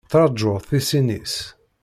Ttṛaǧǧuɣ tisin-is.